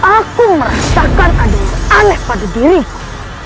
aku merasakan ada yang aneh pada diriku